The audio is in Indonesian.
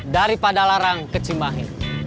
daripada larang kecimahin